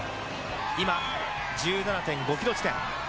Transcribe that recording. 今１７．５ｋｍ地点。